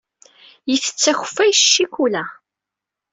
Yettess akeffay s ccikula.